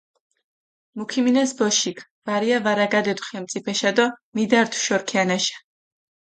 მუ ქიმინას ბოშიქ, ვარია ვარაგადედუ ხენწიფეშა დო მიდართუ შორი ქიანაშა.